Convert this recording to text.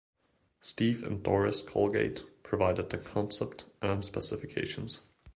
Steve and Doris Colgate provided the concept and specifications.